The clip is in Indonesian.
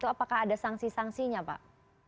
apakah ada sanksi sanksinya pak